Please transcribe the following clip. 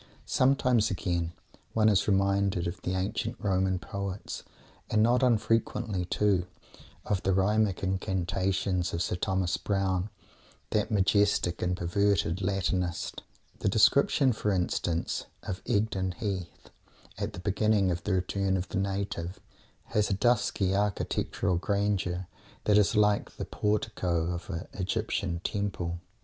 Sometimes, again, one is reminded of the ancient Roman poets, and not unfrequently, too, of the rhythmic incantations of Sir Thomas Browne, that majestic and perverted Latinist. The description, for instance, of Egdon Heath, at the beginning of the Return of the Native, has a dusky architectural grandeur that is like the Portico of an Egyptian Temple.